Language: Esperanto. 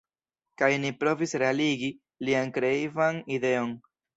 Kaj ni provis realigi lian kreivan ideon.